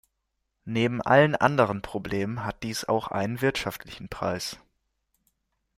Neben allen anderen Problemen hat dies auch einen wirtschaftlichen Preis.